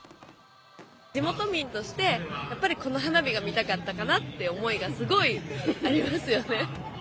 地元民として、やっぱりこの花火が見たかったかなっていう思いがすごいあります